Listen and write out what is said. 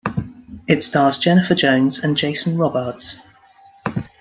It stars Jennifer Jones and Jason Robards.